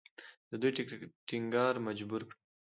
د دوی ټینګار مجبوره کړم.